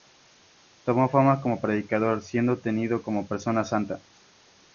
Tomó fama como predicador, siendo tenido como persona santa.